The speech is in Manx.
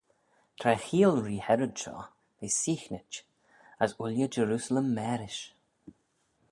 Tra cheayll ree Herod shoh, v'eh seaghnit, as ooilley Jerusalem mârish.